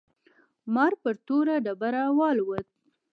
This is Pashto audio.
مار پر توره ډبره والوت.